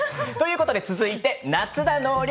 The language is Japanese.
続いて「夏だ納涼！